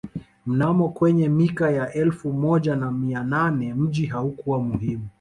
Mnamo kwenye mika ya elfu moja na mia nane mji haukuwa muhimu